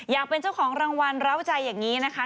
อยากเป็นเจ้าของรางวัลร้าวใจอย่างนี้นะคะ